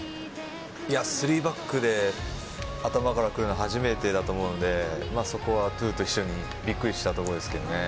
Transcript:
いや３バックで頭からくるのは初めてだと思うのでそこは闘莉王と一緒にびっくりしたところですけどね。